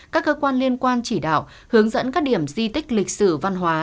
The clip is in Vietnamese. các cơ quan liên quan chỉ đạo hướng dẫn các điểm di tích lịch sử văn hóa